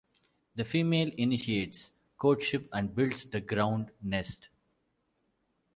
The female initiates courtship and builds the ground nest.